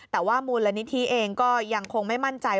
แต่ว่ามูลนิธิเองก็ยังคงไม่มั่นใจ